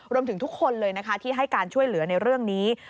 รวมถึงทุกคนเลยนะคะที่ให้การช่วยเหลือในเรื่องนี้